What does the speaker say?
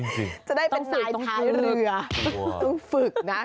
จริงต้องตายทางฝรั่งเลยไม่รู้ว่าต้องฝึกนะ